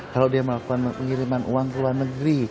kalau dia melakukan pengiriman uang ke luar negeri